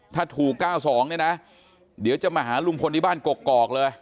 ถ้าถูก๙๒เนี่ยนะเดี๋ยวจะมาหาลุงพลที่บ้านกกอกเลย